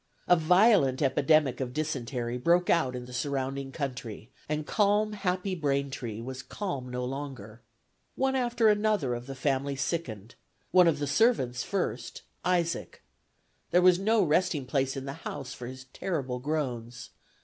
A violent epidemic of dysentery broke out in the surrounding country, and "calm, happy Braintree" was calm no longer. One after another of the family sickened; one of the servants first, Isaac, ("there was no resting place in the house, for his terrible groans!")